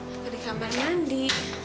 apa di kamar mandi